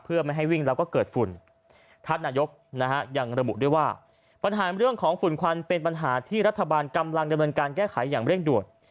เพื่อไม่ให้วิ่งแล้วก็เกิดฝุ่นท่านนายกนะฮะยังระบุด้วยว่าปัญหาเรื่องของฝุ่นควันเป็นปัญหาที่รัฐบาลกำลังดำเนินการแก้ไขอย่างเร่งด่วน